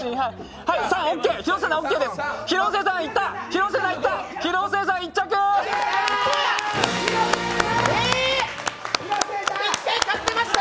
広末さんいった！